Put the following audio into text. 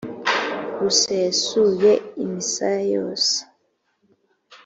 rusesuye imisaya yose.